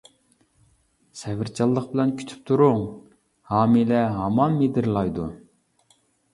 سەۋرچانلىق بىلەن كۈتۈپ تۇرۇڭ، ھامىلە ھامان مىدىرلايدۇ.